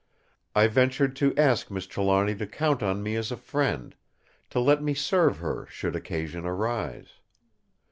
I ventured to ask Miss Trelawny to count on me as a friend; to let me serve her should occasion arise.